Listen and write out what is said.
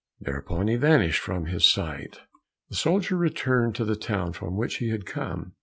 Thereupon he vanished from his sight. The soldier returned to the town from which he had come.